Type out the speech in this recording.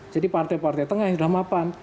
jadi partai partai tengah yang sudah mapan